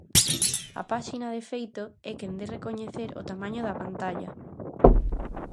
A páxina, de feito, é quen de recoñecer o tamaño da pantalla.